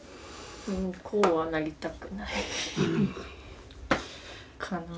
こうはなりたくないかな。